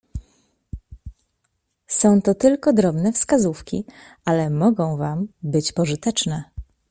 "Są to tylko drobne wskazówki ale mogą wam być pożyteczne."